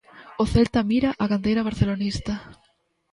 O Celta mira á canteira barcelonista.